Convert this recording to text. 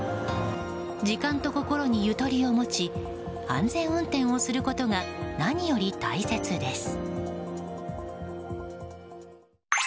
時間と心にゆとりを持ち安全運転をすることが何より大切です。